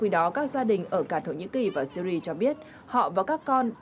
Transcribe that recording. đó các gia đình ở cả thổ nhĩ kỳ và syri cho biết họ và các con